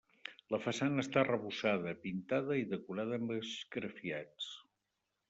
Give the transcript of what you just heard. La façana està arrebossada, pintada i decorada amb esgrafiats.